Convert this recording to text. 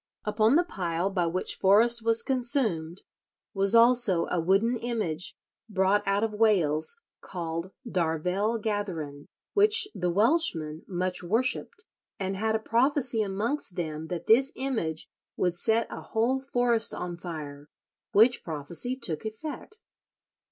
Upon the pile by which Forrest was consumed was also a wooden image, brought out of Wales, called "Darvell Gatheren," which the Welshmen "much worshipped, and had a prophecy amongst them that this image would set a whole forest on fire, which prophecy took effect."